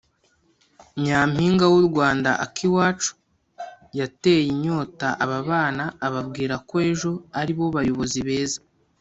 Nyampinga w’u Rwanda Akiwacu yateye inyota aba bana ababwira ko ejo ari bo bayobozi beza